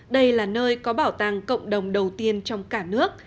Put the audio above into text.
đây là nơi có bảo tàng cộng đồng đầu tiên trong cả nước